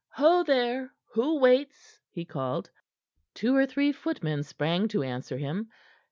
"Ho, there! Who waits?" he called. Two or three footmen sprang to answer him.